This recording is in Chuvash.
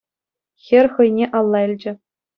Хӗр хӑйне алла илчӗ.